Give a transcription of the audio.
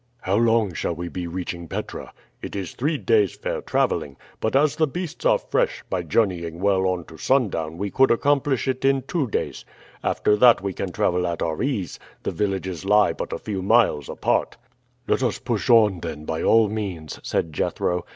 "How long shall we be reaching Petra?" "It is three days' fair traveling; but as the beasts are fresh, by journeying well on to sundown we could accomplish it in two days. After that we can travel at our ease; the villages lie but a few miles apart." "Let us push on, then, by all means," said Jethro.